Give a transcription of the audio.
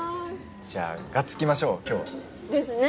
じゃあがっつきましょう今日は。ですね。